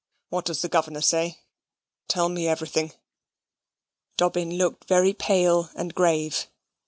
What does the governor say? Tell me everything." Dobbin looked very pale and grave.